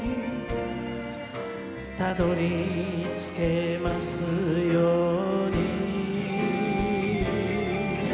「たどり着けますように」